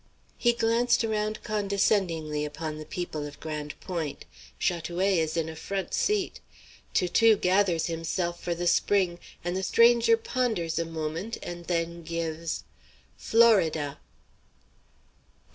He glanced around condescendingly upon the people of Grande Pointe. Chat oué is in a front seat. Toutou gathers himself for the spring, and the stranger ponders a moment and then gives "Florida!"